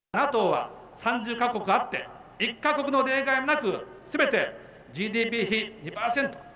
ＮＡＴＯは３０か国あって、１か国の例外もなく、すべてＧＤＰ比２％。